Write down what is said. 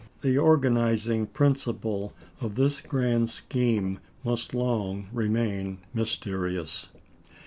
The organising principle of this grand scheme must long remain mysterious.